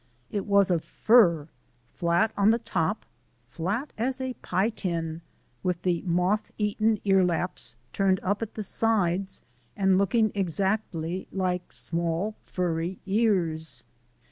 It was of fur, flat at the top, flat as a pie tin, with the moth eaten earlaps turned up at the sides and looking exactly like small furry ears.